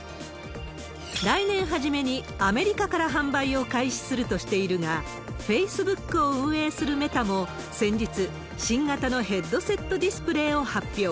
来年初めにアメリカから販売を開始するとしているが、フェイスブックを運営するメタも、先日、新型のヘッドセットディスプレーを発表。